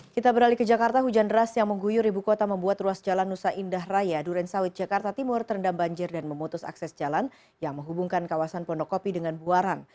kita beralih ke jakarta hujan deras yang mengguyur ibu kota membuat ruas jalan nusa indah raya durensawit jakarta timur terendam banjir dan memutus akses jalan yang menghubungkan kawasan pondokopi dengan buaran